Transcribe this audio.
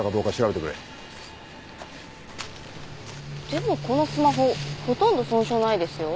でもこのスマホほとんど損傷ないですよ。